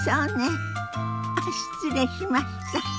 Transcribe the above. あっ失礼しました。